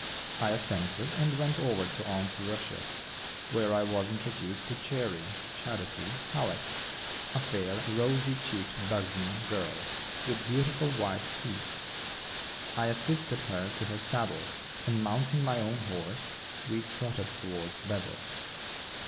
I assented, and went over to "Aunt Rushia's" where I was introduced to "Chairy" (Charity) Hallett, a fair, rosy cheeked, buxom girl, with beautiful white teeth. I assisted her to her saddle, and mounting my own horse, we trotted towards Bethel.